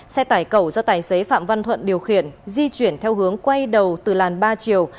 xe tải cẩu do tài xế phạm văn thuận điều khiển di chuyển theo hướng quay đầu từ làn ba chiều